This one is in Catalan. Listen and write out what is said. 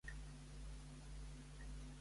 A mi m'heu de retornar tres milions més.